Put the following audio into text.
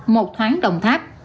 một thoáng đồng tháp